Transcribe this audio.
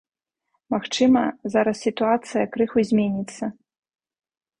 Магчыма, зараз сітуацыя крыху зменіцца.